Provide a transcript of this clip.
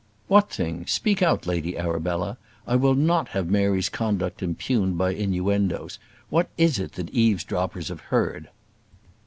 "What thing? Speak out, Lady Arabella. I will not have Mary's conduct impugned by innuendoes. What is it that eavesdroppers have heard?"